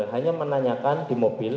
hanya menanyakan di mobil